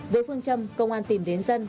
với phương châm công an tìm đến dân